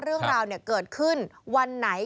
เรื่องราวเกิดขึ้นวันไหน